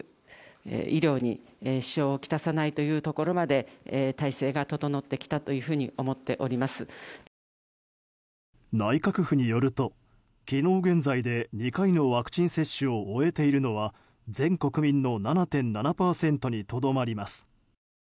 昨日、大会組織委員会の橋本会長は。内閣府によると昨日現在で２回のワクチン接種を終えているのは、全国民の７．７％にとどまります。